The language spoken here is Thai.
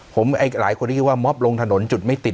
ผมอากระหายคนคิดว่ามอปลงถนนจุดไม่ติด